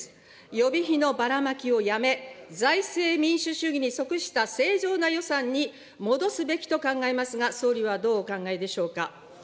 予備費のばらまきをやめ、財政民主主義に即した正常な予算に戻すべきと考えますが、総理はどうお考えでしょうか。